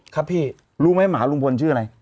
ครับพี่รู้ไม่มหาลุงพลชื่อไหน